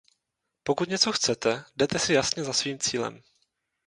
Pokud něco chcete, jdete si jasně za svým cílem.